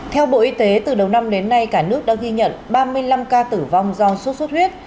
theo bộ y tế từ đầu năm đến nay cả nước đã ghi nhận ba mươi năm ca tử vong do sốt xuất huyết